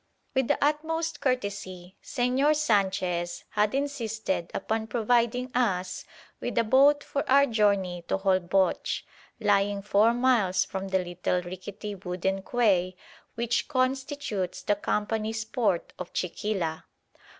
With the utmost courtesy Señor Sanchez had insisted upon providing us with a boat for our journey to Holboch, lying four miles from the little rickety wooden quay which constitutes the Company's port of Chiquila.